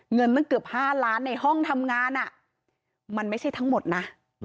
เงินตั้งเกือบ๕ล้านในห้องทำงานมันไม่ใช่ทั้งหมดนะ